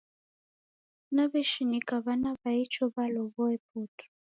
Naw'eshinika w'ana wa icho w'alowoe putu